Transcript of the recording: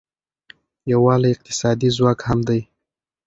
یووالی اقتصادي ځواک هم دی.